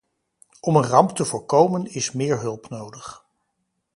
Om een ramp te voorkomen, is meer hulp nodig.